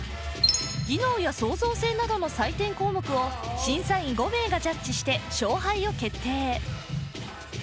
技能や創造性などの採点項目を審査員５名がジャッジして勝敗を決定